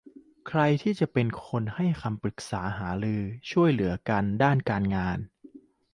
ใครที่จะเป็นคนให้คำปรึกษาหารือช่วยเหลือกันด้านการงาน